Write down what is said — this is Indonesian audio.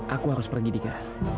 aku harus pergi dika